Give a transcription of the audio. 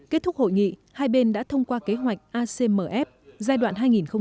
kết thúc hội nghị hai bên đã thông qua kế hoạch acmf giai đoạn hai nghìn hai mươi hai nghìn hai mươi năm